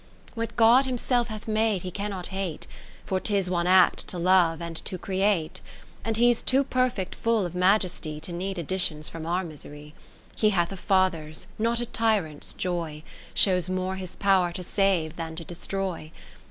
What God Himself hath made He cannot hate, For 'tis one act to love and to create : 20 And He's too perfect full of Majesty, To need additions from our misery. He hath a father's, not a tyrant's, joy ; Shows more His pow'r to save, than to destroy.